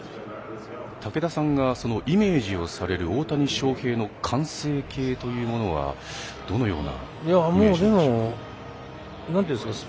武田さんがイメージをされる大谷翔平の完成形というのはどのようなイメージでしょうか。